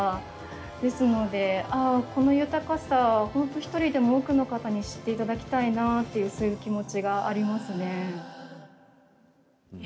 ですので、この豊かさ本当１人でも多くの方に知っていただきたいなっていうそういう気持ちがありますね。